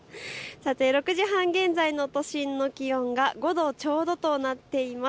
さて６時半現在の都心の気温が５度ちょうどとなっています。